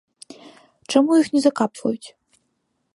Чаму іх не закапваюць?